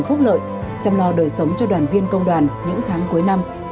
phúc lợi chăm lo đời sống cho đoàn viên công đoàn những tháng cuối năm